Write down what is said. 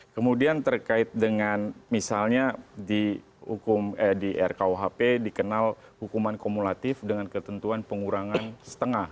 kemudian terkait dengan misalnya di rkuhp dikenal hukuman kumulatif dengan ketentuan pengurangan setengah